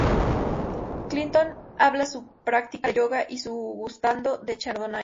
Clinton habla su práctica de yoga y su gustando de chardonnay.